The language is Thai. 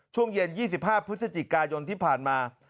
ช่วงเย็น๒๕พฤศจิกายนที่ผ่านมา